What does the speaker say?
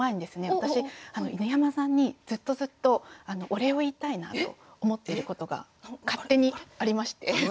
私犬山さんにずっとずっとお礼を言いたいなと思っていることが勝手にありまして。